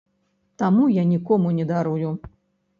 Таму я нікому не дарую.